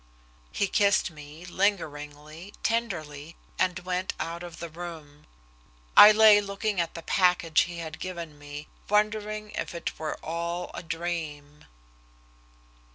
He kissed me, lingeringly, tenderly, and went out of the room. I lay looking at the package he had given me, wondering if it were all a dream.